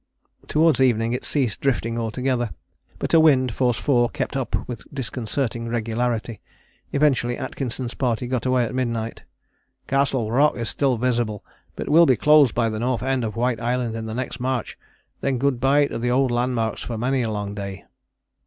" Towards evening it ceased drifting altogether, but a wind, force 4, kept up with disconcerting regularity. Eventually Atkinson's party got away at midnight. "Castle Rock is still visible, but will be closed by the north end of White Island in the next march then good bye to the old landmarks for many a long day."